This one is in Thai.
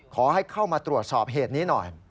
ขอให้เข้ามาตรวจสอบเหตุนี้หน่อย